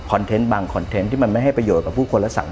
เทนต์บางคอนเทนต์ที่มันไม่ให้ประโยชนกับผู้คนและสั่ง